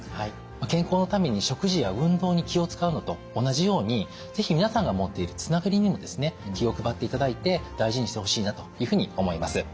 健康のために食事や運動に気を遣うのと同じように是非皆さんが持っているつながりにもですね気を配っていただいて大事にしてほしいなというふうに思います。